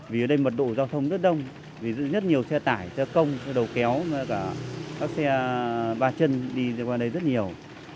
vì ở đây mật độ giao thông rất đông vì rất nhiều xe tải xe công xe đầu kéo các xe ba chân đi qua đây rất nhiều